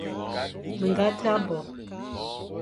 Mé ñga dia bo,